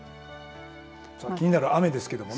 気になる雨ですけどね。